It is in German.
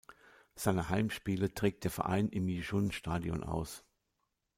Seine Heimspiele trägt der Verein im Yishun-Stadion aus.